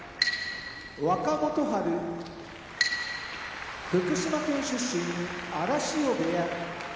若元春福島県出身荒汐部屋